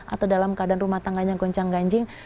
atau dalam keadaan rumah tangganya goncang ganjing